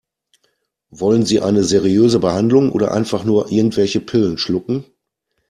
Wollen Sie eine seriöse Behandlung oder einfach nur irgendwelche Pillen schlucken?